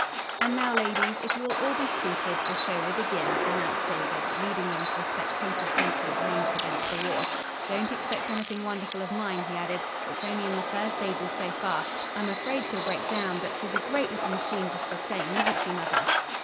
"And now, ladies, if you will all be seated, the show will begin," announced David, leading them to the spectators' benches ranged against the wall. "Don't expect anything wonderful of mine," he added. "It's only in the first stages so far. I'm afraid she'll break down, but she's a great little machine, just the same. Isn't she, mother?"